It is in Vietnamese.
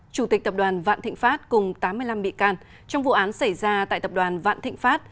chủ tịch tập đoàn vạn thịnh pháp cùng tám mươi năm bị can trong vụ án xảy ra tại tập đoàn vạn thịnh pháp